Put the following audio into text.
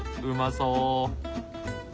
うまそう。